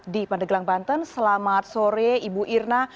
di pandeglang banten selamat sore ibu irna